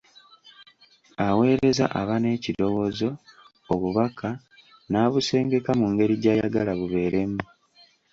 Aweereza aba n'ekirowoozo, obubaka, n'abusengeka mu ngeri gy'ayagala bubeeremu.